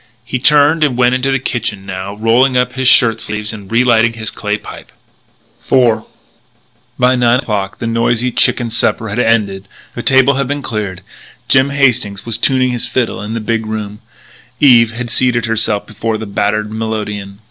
He turned and went into the kitchen now, rolling up his shirt sleeves and relighting his clay pipe. IV By nine o'clock the noisy chicken supper had ended; the table had been cleared; Jim Hastings was tuning his fiddle in the big room; Eve had seated herself before the battered melodeon.